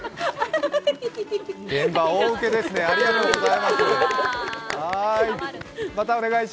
現場大ウケですね、ありがとうございます。